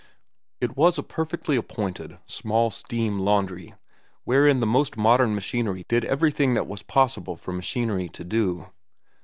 It was a perfectly appointed, small steam laundry, wherein the most modern machinery did everything that was possible for machinery to do.